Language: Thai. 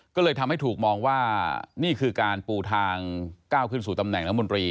ก็เลยทำให้ถูกมองว่านี่คือการปูทางก้าวขึ้นสู่ตำแหน่งน้ำมนตรี